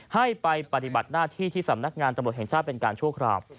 ให้ไปปฏิบัติหน้าที่ที่สำนักงานตำรวจแห่งชาติเป็นการชั่วคราว